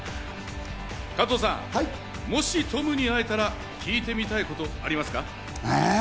加藤さん、もしトムに会えたら聞いてみたいことありますか？